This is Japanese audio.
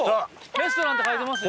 レストランって書いてますよ。